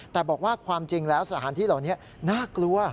แต่บอกว่าความจริงแล้วสถานที่เหล่านี้น่ากลัว